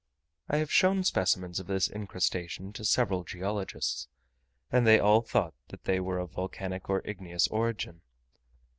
I have shown specimens of this incrustation to several geologists, and they all thought that they were of volcanic or igneous origin!